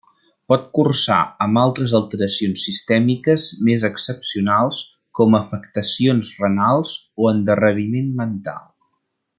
Pot cursar amb altres alteracions sistèmiques més excepcionals com afectacions renals o endarreriment mental.